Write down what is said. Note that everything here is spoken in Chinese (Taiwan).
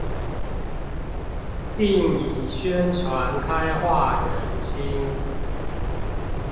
並以宣傳開化人心